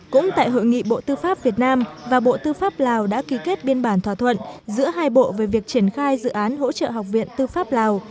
cũng tại hội nghị bộ tư pháp việt nam và bộ tư pháp lào đã ký kết biên bản thỏa thuận giữa hai bộ về việc triển khai dự án hỗ trợ học viện tư pháp lào